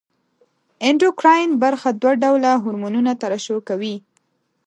اندوکراین برخه دوه ډوله هورمونونه ترشح کوي.